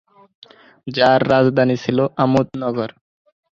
যার রাজধানী ছিল আমোদ নগর।